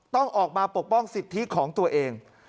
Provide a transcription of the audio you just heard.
ต้องออกมาปกป้องสิทธิของตัวเอง